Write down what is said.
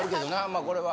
まあこれは。